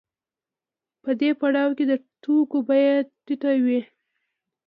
په دې پړاو کې د توکو بیه ټیټه وي